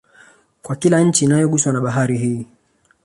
Kwa kila nchi inayoguswa na Bahari hii